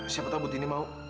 siapa tahu butini mau